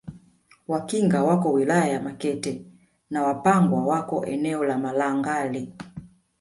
Wakinga wako wilaya ya Makete na Wapangwa wako eneo la Malangali